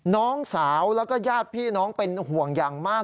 น้องสาวแล้วก็ญาติพี่น้องเป็นห่วงอย่างมาก